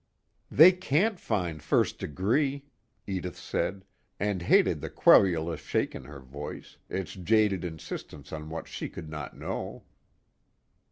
"They can't find first degree," Edith said, and hated the querulous shake in her voice, its jaded insistence on what she could not know.